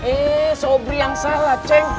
eh sobrang salah ceng